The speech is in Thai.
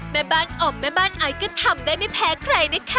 แม่บ้านออมแม่บ้านไอซ์ก็ทำได้ไม่แพ้ใครนะคะ